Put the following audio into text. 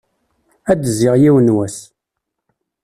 Ad d-zziɣ yiwen n wass.